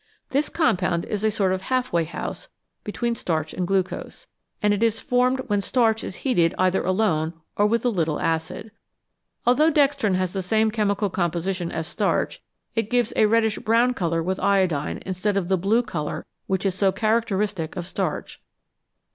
This compound is a sort of half way house between starch and glucose, and is SUGAR AND STARCH formed when starch is heated either alone or with a little acid. Although dextrin has the same chemical composi tion as starch, it gives a reddish brown colour with iodine, instead of the blue colour which is so characteristic of starch.